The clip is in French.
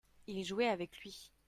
il jouait avec lui.